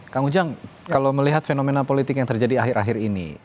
kang ujang kalau melihat fenomena politik yang terjadi akhir akhir ini